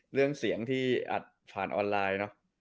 เรื่องเสียงที่อัดผ่านออนไลน์เนอะ